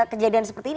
kejadian seperti ini